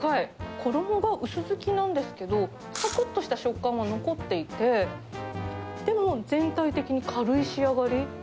衣が薄づきなんですけど、さくっとした食感も残っていて、でも全体的に軽い仕上がり。